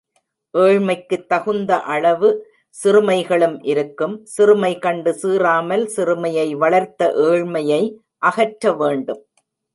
ஏழ்மைக்குத் தகுந்த அளவு சிறுமைகளும் இருக்கும், சிறுமை கண்டு சீறாமல் சிறுமையை வளர்த்த ஏழ்மையை அகற்றவேண்டும்.